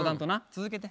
続けて。